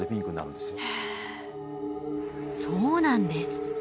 そうなんですよ。